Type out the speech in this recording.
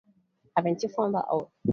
Haven't you found that out?